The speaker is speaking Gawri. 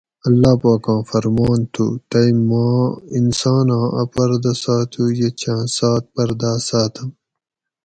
"اللّہ پاکاں فرمان تھو ""تئی ماں انساناں ا پردہ ساتو یہ چھاں سات پرداۤ ساۤتم"""